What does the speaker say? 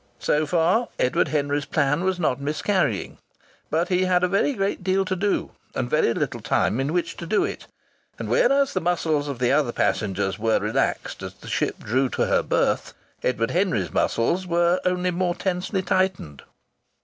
So far Edward Henry's plan was not miscarrying. But he had a very great deal to do, and very little time in which to do it, and whereas the muscles of the other passengers were relaxed as the ship drew to her berth, Edward Henry's muscles were only more tensely tightened.